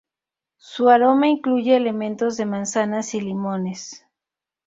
Su aroma incluye elementos de manzanas y limones.